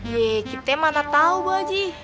ye kita mah ntar tahu bu aji